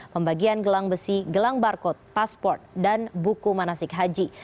pembagian gelang besi gelang barcode pasport dan buku manasik haji